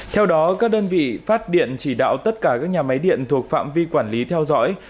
theo đó các đơn vị phát điện chỉ đạo tất cả các nhà máy điện thuộc phạm vi quản lý theo dõi